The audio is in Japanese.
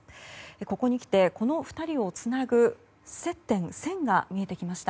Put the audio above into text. ここにきてこの２人をつなぐ線、接点が見えてきました。